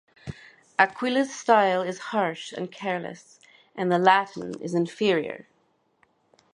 Aquila's style is harsh and careless, and the Latin is inferior.